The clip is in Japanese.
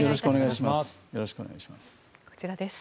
よろしくお願いします。